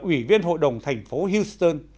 ủy viên hội đồng thành phố houston